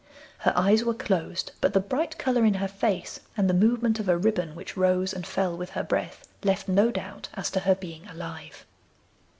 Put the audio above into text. Her eyes were closed, but the bright colour in her face, and the movement of a ribbon, which rose and fell with her breath, left no doubt as to her being alive.